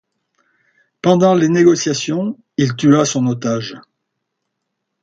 Pendant les négociations, il tua son otage.